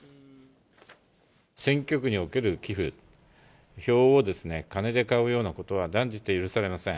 選挙区における寄付、票を金で買うようなことは断じて許されません。